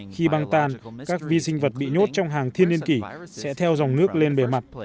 khi băng tan các vi sinh vật bị nhốt trong hàng thiên niên kỷ sẽ theo dòng nước lên bề mặt